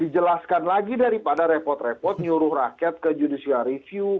dijelaskan lagi daripada repot repot nyuruh rakyat ke judicial review